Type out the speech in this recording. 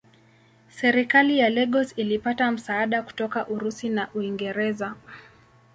Serikali ya Lagos ilipata msaada kutoka Urusi na Uingereza.